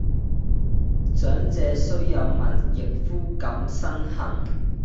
長者雖有問，役夫敢申恨？